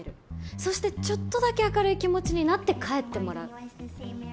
そしてちょっとだけ明るい気持ちになって帰ってもらう。